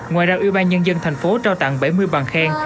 ngoài ra ủy ban nhân dân thành phố trao tặng bảy mươi bằng khen